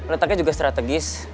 letaknya juga strategis